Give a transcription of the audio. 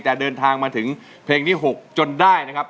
แต่เดินทางมาถึงเพลงที่๖จนได้นะครับ